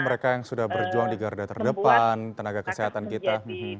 mereka yang sudah berjuang di garda terdepan tenaga kesehatan kita